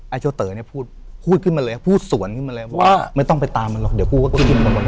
เจ้าเต๋อเนี่ยพูดพูดขึ้นมาเลยพูดสวนขึ้นมาเลยว่าไม่ต้องไปตามมันหรอกเดี๋ยวกูก็ขึ้นมาบน